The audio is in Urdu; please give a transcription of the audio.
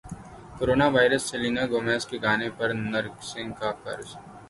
کورونا وائرس سلینا گومز کے گانے پر نرسز کا رقص